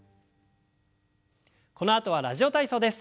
このあとは「ラジオ体操」です。